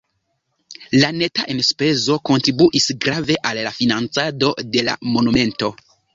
La neta enspezo kontribuis grave al la financado de la monumento.